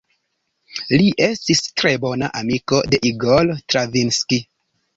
Li estis tre bona amiko de Igor Stravinski.